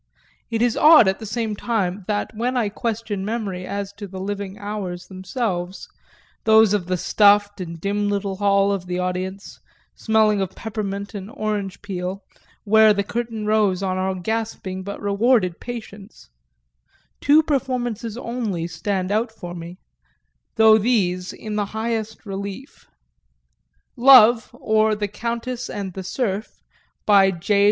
It is odd at the same time that when I question memory as to the living hours themselves, those of the stuffed and dim little hall of audience, smelling of peppermint and orange peel, where the curtain rose on our gasping but rewarded patience, two performances only stand out for me, though these in the highest relief. Love, or the Countess and the Serf, by J.